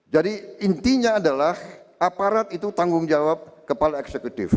jadi intinya adalah aparat itu tanggung jawab kepala eksekutif